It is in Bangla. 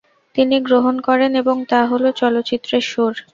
তিনি গ্রহণ করেন এবং তা হল চলচ্চিত্রের সুর।